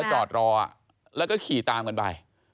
แล้วจอดรอแล้วก็ขย์ตามกันไป